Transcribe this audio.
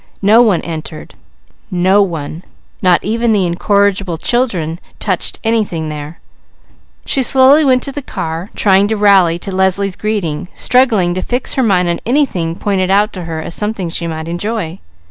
No one entered, no one, not even the incorrigible children, touched anything there. She slowly went to the car, trying to rally to Leslie's greeting, struggling to fix her mind on anything pointed out to her as something she might enjoy.